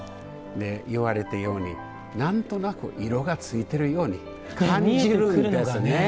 で言われたように何となく色がついてるように感じるんですね。